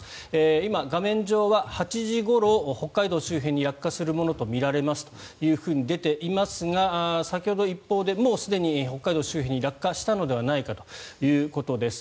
今、画面上は８時ごろ北海道周辺に落下するものとみられますと出ていますが先ほど、一報でもうすでに北海道周辺に落下したのではないかということです。